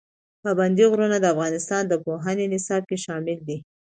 پابندی غرونه د افغانستان د پوهنې نصاب کې شامل دي.